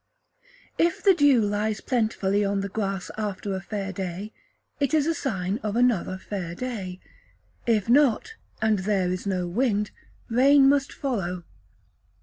If the dew lies plentifully on the grass after a fair day, it is a sign of another fair day. If not, and there is no wind, rain must follow.